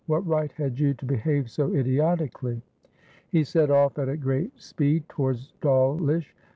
What right had you to behave so idiotically?" He set off at a great speed towards Dawlish.